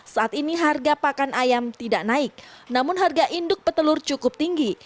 saat ini harga pakan ayam tidak naik namun harga induk petelur cukup tinggi